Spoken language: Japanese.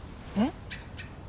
えっ？